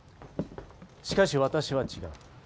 しかし私は違う。